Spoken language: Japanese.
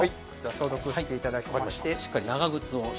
消毒をしていただきまして。